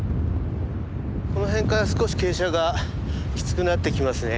この辺から少し傾斜がきつくなってきますね。